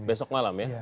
besok malam ya